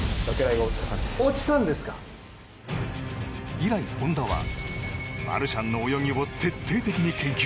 以来、本多はマルシャンの泳ぎを徹底的に研究。